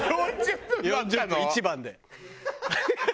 １番で。